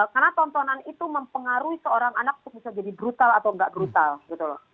karena tontonan itu mempengaruhi seorang anak itu bisa jadi brutal atau nggak brutal gitu loh